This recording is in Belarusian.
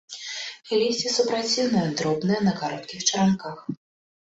Лісце супраціўнае, дробнае, на кароткіх чаранках.